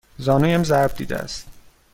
زانویم ضرب دیده است.